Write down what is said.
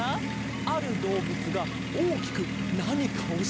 あるどうぶつがおおきくなにかをしているぞ！